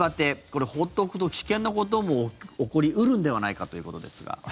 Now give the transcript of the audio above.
これ、放っておくと危険なことも起こり得るんではないかということですが。